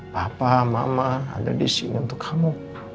papa mama ada di sini untuk kamu